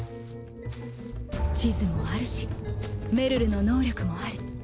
地図もあるしメルルの能力もある。